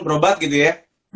berobat gitu ya